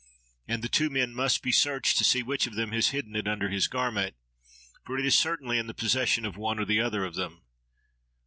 And the two men must be searched to see which of them has hidden it under his garment. For it is certainly in the possession of one or the other of them.